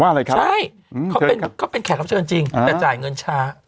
ว่าอะไรครับเชิญครับเค้าเป็นแขกรับเชิญจริงแต่จ่ายเงินช้า